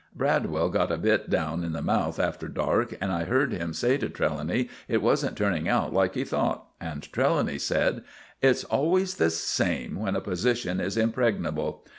Bradwell got a bit down in the mouth after dark, and I heard him say to Trelawny it wasn't turning out like he thought, and Trelawny said: "It's always the same when a position is impregnable.